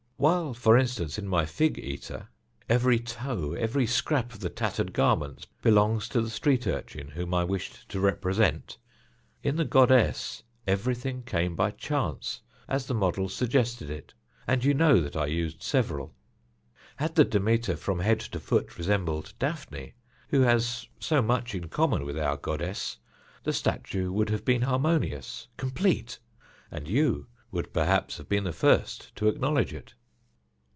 While, for instance, in my fig eater, every toe, every scrap of the tattered garments, belongs to the street urchin whom I wished to represent, in the goddess everything came by chance as the model suggested it, and you know that I used several. Had the Demeter from head to foot resembled Daphne, who has so much in common with our goddess, the statue would have been harmonious, complete, and you would perhaps have been the first to acknowledge it."